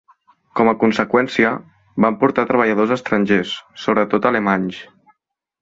Com a conseqüència, van portar treballadors estrangers, sobretot alemanys.